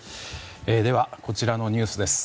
では、こちらのニュースです。